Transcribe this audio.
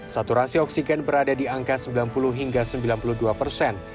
saturasi oksigen berada di angka sembilan puluh hingga sembilan puluh dua persen